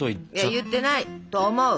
いや言ってないと思う。